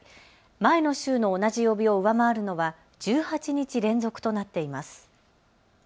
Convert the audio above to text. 前の週の同じ曜日を上回るのは１８日連続となっています。